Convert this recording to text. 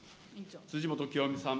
辻元清美さん。